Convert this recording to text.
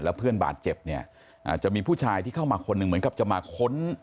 เพื่อนบาดเจ็บเนี่ยอาจจะมีผู้ชายที่เข้ามาคนหนึ่งเหมือนกับจะมาค้น